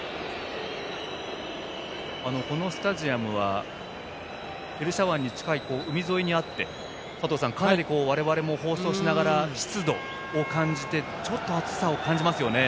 このスタジアムはペルシャ湾に近い海沿いにあって佐藤さん、かなり我々も放送しながら湿度を感じてちょっと暑さを感じますよね。